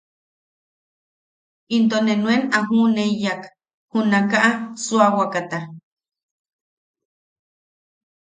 Into ne nuen a juʼuneyak junaka suawakata.